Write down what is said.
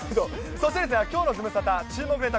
そしてきょうのズムサタ、注目のネタ